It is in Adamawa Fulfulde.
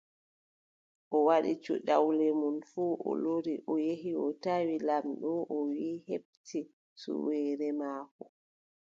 O waɗi cuɗawle mum fuu o lori, o yehi, o tawi laamɗo o wiʼi o heɓti suweere maako.